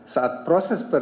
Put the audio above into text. saat proses persiapan